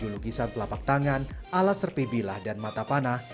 tujuh lukisan telapak tangan ala serpi bilah dan mata panah